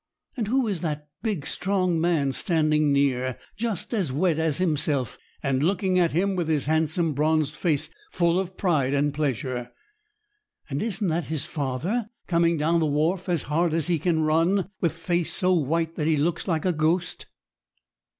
And who is the big strong man standing near, just as wet as himself, and looking at him with his handsome bronzed face full of pride and pleasure? And isn't that father coming down the wharf as hard as he can run, with face so white that he looks like a ghost?